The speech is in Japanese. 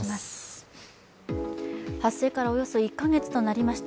発生からおよそ１か月となりました。